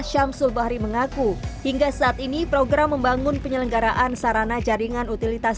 syamsul bahri mengaku hingga saat ini program membangun penyelenggaraan sarana jaringan utilitas